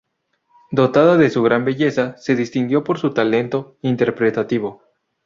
Dotada de gran belleza, se distinguió por su talento interpretativo.